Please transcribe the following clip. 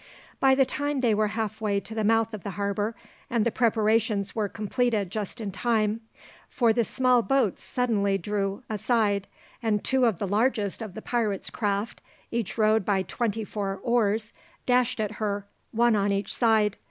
By this time they were halfway to the mouth of the harbour, and the preparations were completed just in time, for the small boats suddenly drew aside, and two of the largest of the pirates' craft, each rowed by twenty four oars, dashed at her, one on each side.